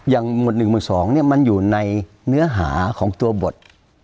อย่างหมวดหนึ่งหมวดสองมันอยู่ในเนื้อหาของตัวบท